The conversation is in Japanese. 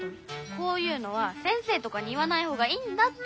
こういうのは先生とかに言わないほうがいいんだって。